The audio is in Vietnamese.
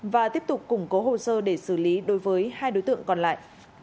và tiếp tục củng cố hồ sơ để xử lý đối với hai đối tượng còn lại